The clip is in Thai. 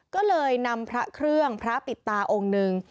ก็เลยนำพระเครื่องพระปิดตาองค์หนึ่ง